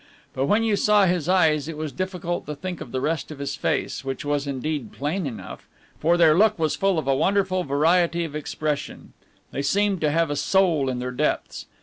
But when you saw his eyes it was difficult to think of the rest of his face, which was indeed plain enough, for their look was full of a wonderful variety of expression; they seemed to have a soul in their depths.